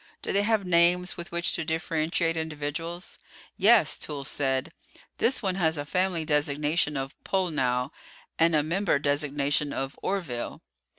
Do they have names with which to differentiate individuals?" "Yes," Toolls said. "This one has a family designation of Pollnow, and a member designation of Orville."